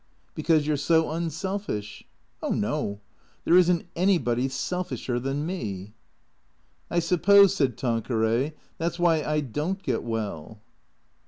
" Because you 're so unselfish." " Oh no. There is n't anybody selfisher than me." " I suppose," said Tanqueray, " that 's why I don't get well."